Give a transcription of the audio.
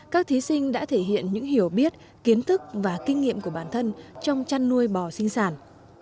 các thí sinh đã thể hiện những hiểu biết kiến thức và kinh nghiệm của bản thân trong chăn nuôi bò sinh sản